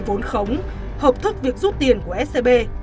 vốn khống hợp thức việc rút tiền của scb